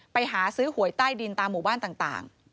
ไปหาซื้อหวยใต้ดินตามหมู่บ้านต่าง